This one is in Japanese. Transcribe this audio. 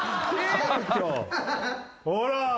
ほら。